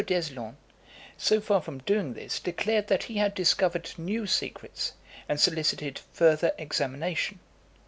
D'Eslon, so far from doing this, declared that he had discovered new secrets, and solicited further examination.